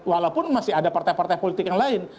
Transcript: walaupun masih ada partai partai politik yang lain